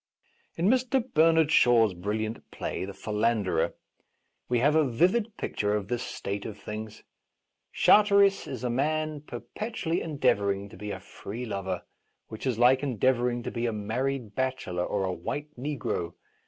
In Mr. Bernard Shaw's brilliant play " The Philanderer," we have a vivid picture of this state of things. Charteris is a man perpetually endeavouring to be a free lover, which is like endeavouring to be a married bachelor or a white negro.